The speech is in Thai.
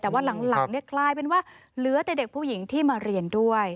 แต่ว่าหลังกลายเป็นว่าเหลือแต่เด็กผู้หญิงที่มาเรียนด้วย